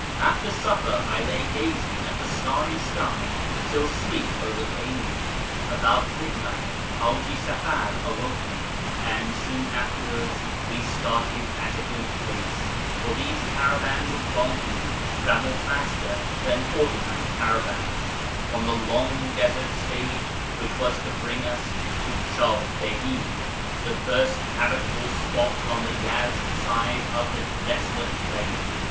After supper I lay gazing at the starry sky till sleep over came me. About midnight Haji Safar awoke me, and soon afterwards we started at a good pace (for these caravans of donkeys travel faster than ordinary caravans) on the long desert stage which was to bring us to Chah Begi, the first habitable spot on the Yezd side of the desolate plain.